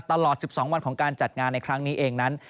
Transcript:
ตลอด๑๒วันของการจัดงานในครั้งนี้เองนั้น